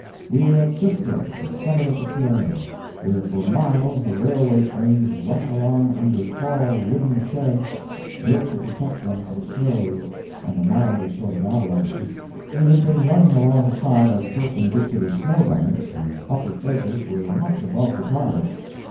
We were at Cisco, the summit of the Sierras, where for miles the railway trains rush along under tall wooden sheds, built to protect them from snows and the milder sort of avalanches. We had been running alongside of perpendicular snow banks, whose upper edges were much above the cars.